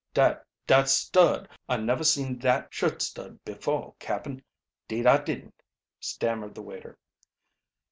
"Dat dat stud I never seen dat shirt stud before, cap'n, 'deed I didn't," stammered the waiter.